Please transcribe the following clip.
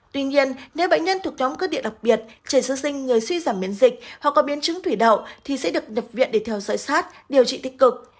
tuy nhiên nếu bệnh nhân thuộc nhóm cơ địa đặc biệt trẻ sơ sinh người suy giảm miễn dịch hoặc có biến chứng thủy đậu thì sẽ được nhập viện để theo dõi sát điều trị tích cực